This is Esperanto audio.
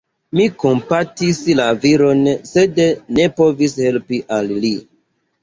Mi kompatis la viron, sed ne povis helpi al li.